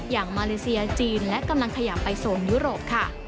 มาเลเซียจีนและกำลังขยับไปโซนยุโรปค่ะ